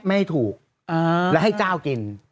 ไม่ถูกและให้เจ้ากิน